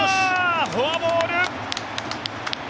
フォアボール！